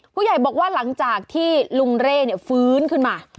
ผู้ใหญ่บอกว่าหลังจากที่ลุงเร่ฟื้นขึ้นมา